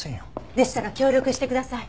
でしたら協力してください。